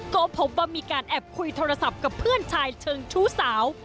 ก็พบว่ามีการแอบคุยโทรศัพท์กับเพื่อนชายเชิงชู้สาว